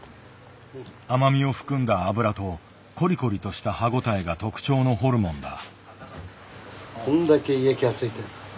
甘みを含んだ脂とコリコリとした歯応えが特徴のホルモンだ。